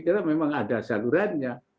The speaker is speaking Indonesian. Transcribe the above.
karena memang ada salurannya